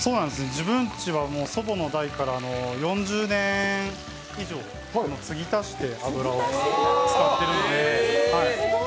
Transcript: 自分んちは祖母の代から４０年以上油をつぎ足して使っているので。